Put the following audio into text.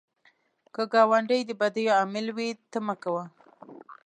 که ګاونډی د بدیو عامل وي، ته مه کوه